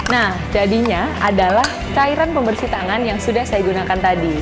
nah jadinya adalah cairan pembersih tangan yang sudah saya gunakan tadi